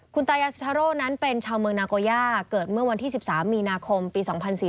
คุณตายาสิทาโร่นั้นเป็นชาวเมืองนาโกย่าเกิดเมื่อวันที่๑๓มีนาคมปี๒๔๔